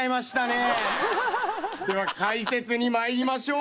では解説にまいりましょう。